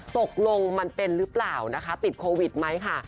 ตกลงมันเป็นหรือเปล่านะคะติดโควิดไหมค่ะ